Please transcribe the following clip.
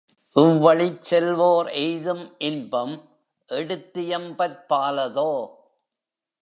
இவ்வழிச் செல்வோர் எய்தும் இன்பம் எடுத்தியம்பற்பாலதோ?